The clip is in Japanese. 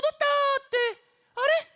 ってあれ？